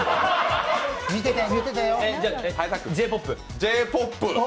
Ｊ−ＰＯＰ。